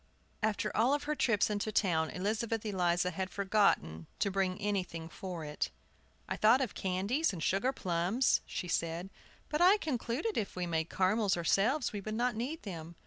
After all her trips into town Elizabeth Eliza had forgotten to bring anything for it. "I thought of candies and sugar plums," she said; "but I concluded if we made caramels ourselves we should not need them.